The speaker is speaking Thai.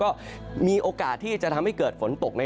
ก็มีโอกาสที่จะทำให้เกิดฝนตก